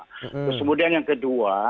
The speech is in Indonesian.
kemudian yang kedua